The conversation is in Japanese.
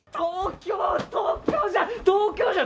東京じゃ！